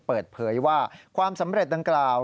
เปิดเผยว่าความสำเร็จดังกล่าว